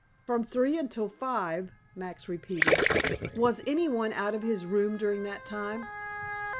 "From three until five," Max repeated. "Was any one out of his room during that time?"